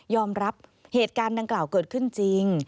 รับเหตุการณ์ดังกล่าวเกิดขึ้นจริง